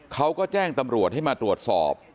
เขาก็แจ้งตำรวจให้มาตรวจสอบ